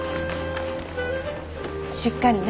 しっかりな。